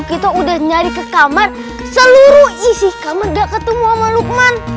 kita udah nyari ke kamar seluruh isi kamar gak ketemu sama lukman